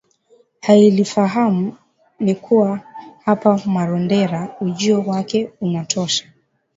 hailifahamu ni kuwa hapa Marondera ujio wake unatosha